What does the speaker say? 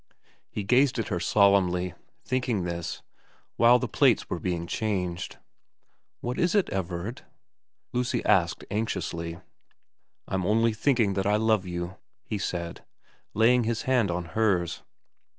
He gazed at her solemnly, thinking this, while the plates were being changed. ' What is it, Everard ?' Lucy asked anxiously. ' I'm only thinking that I love you,' he said, laying his hand on hers.